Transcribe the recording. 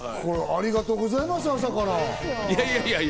ありがとうございます、いやいや。